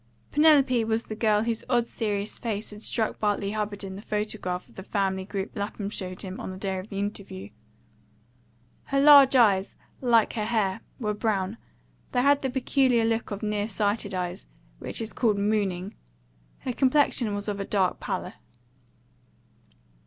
Penelope was the girl whose odd serious face had struck Bartley Hubbard in the photograph of the family group Lapham showed him on the day of the interview. Her large eyes, like her hair, were brown; they had the peculiar look of near sighted eyes which is called mooning; her complexion was of a dark pallor.